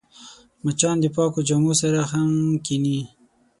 مچان د پاکو جامو سره هم کښېني